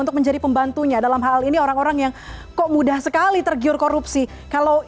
untuk menjadi pembantunya dalam hal ini orang orang yang kok mudah sekali tergiur korupsi kalau